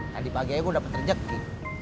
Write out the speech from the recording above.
tadi pagi aja gue dapet rejeki